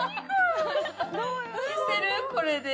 これ。